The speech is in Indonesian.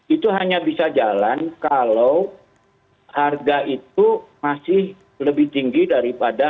itu hanya bisa jalan kalau harga itu masih lebih tinggi daripada